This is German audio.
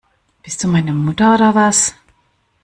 Bist du meine Mutter oder was?